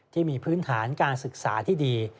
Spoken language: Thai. ที่มีพื้นฐานการศึกษาที่ดี